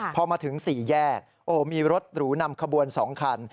พอมาถึงสี่แยกโอ้โหมีรถหรูนำขบวนสองคัน